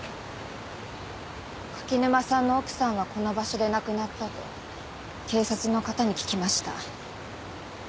柿沼さんの奥さんはこの場所で亡くなったと警察の方に聞きました。